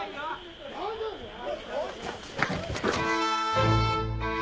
大丈夫だよ！